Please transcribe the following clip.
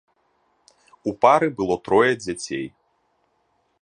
У пары было трое дзяцей.